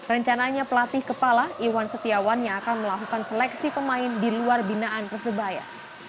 rencananya pelatih kepala iwan setiawan yang akan melakukan seleksi pemain di luar binaan persebaya